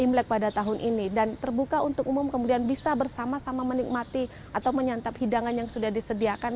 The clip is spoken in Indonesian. imlek pada tahun ini dan terbuka untuk umum kemudian bisa bersama sama menikmati atau menyantap hidangan yang sudah disediakan